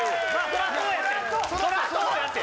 そらそうやて！